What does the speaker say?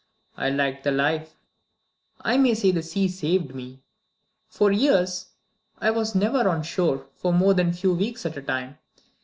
I liked the life I may say the sea saved me. For years, I was never on shore for more than a few weeks at a time.